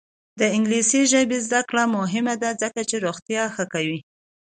د انګلیسي ژبې زده کړه مهمه ده ځکه چې روغتیا ښه کوي.